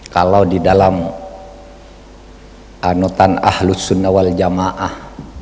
kalau di dalam anutan ahlus sunna wal jamaah